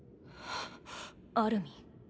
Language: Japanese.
アルミン？